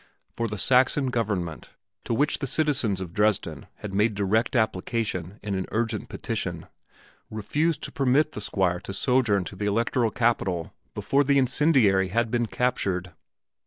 For the Saxon government, to which the citizens of Dresden had made direct application in an urgent petition, refused to permit the Squire to sojourn in the electoral capital before the incendiary had been captured.